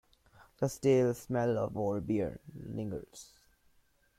The stale smell of old beer lingers.